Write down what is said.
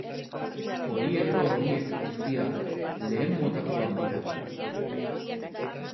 Poliedro horiek guztiak lehen motakoak dira.